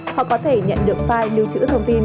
họ có thể nhận được file lưu trữ thông tin